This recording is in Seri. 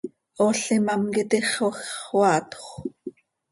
Ool imám quih itixoj x, xöaatjö.